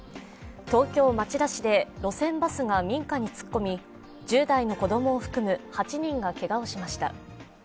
東京・町田市で路線バスが民家に突っ込み、１０代の子供を含む８人がけがをしました。